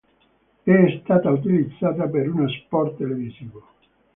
È stata utilizzata per uno spot televisivo.